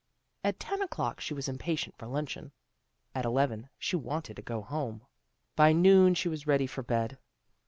At ten o'clock she was impatient for luncheon. At eleven she wanted to go home. By noon she was ready for bed.